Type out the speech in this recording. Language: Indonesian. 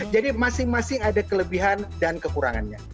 jadi masing masing ada kelebihan dan kekurangannya